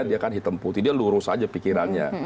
dia kan hitam putih dia lurus aja pikirannya